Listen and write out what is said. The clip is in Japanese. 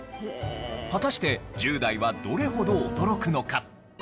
果たして１０代はどれほど驚くのか？